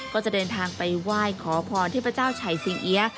ก็จะใดนทางไปหวายขอพรเทพจ้าวไฉขสิงเอีย